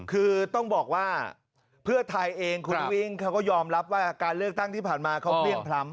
คือต้องบอกว่าเพื่อไทยเองคุณวิ่งเขาก็ยอมรับว่าการเลือกตั้งที่ผ่านมาเขาเพลี่ยงพล้ำ